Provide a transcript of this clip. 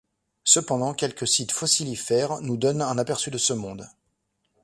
Cependant, quelques sites fossilifères nous donnent un aperçu de ce monde.